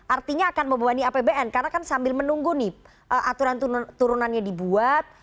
artinya akan membebani apbn karena kan sambil menunggu nih aturan turunannya dibuat